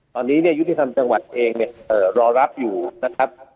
ตอนนี้ยุติธรรมจังหวัดเองเนี่ยรอรับอยู่นะครับ